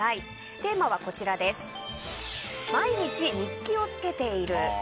テーマは毎日日記をつけている。